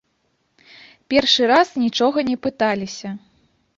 Першы раз нічога не пыталіся.